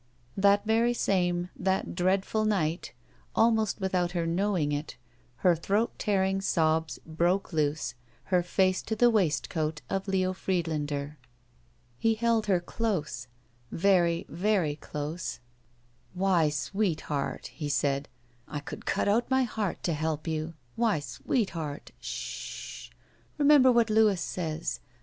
That very same, that dreadful night, almost with out her knowing it, her throat tearing sobs broke loose, her face to the waistcoat of Leo Pried lander. He held her dose — very, very close. 54 SHE WALKS IN BEAUTY *'Why, sweetheart,*' he said, I could cut out my heart to help you! Why, sweetheart! Shh h hl Remember what Louis says.